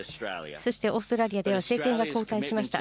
そしてオーストラリアでは政権が交代しました。